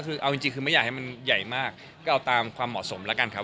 คือเอาจริงคือไม่อยากให้มันใหญ่มากก็เอาตามความเหมาะสมแล้วกันครับ